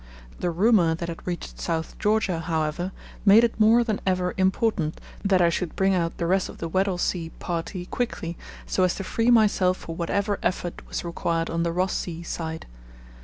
The rumour that had reached South Georgia, however, made it more than ever important that I should bring out the rest of the Weddell Sea party quickly, so as to free myself for whatever effort was required on the Ross Sea side.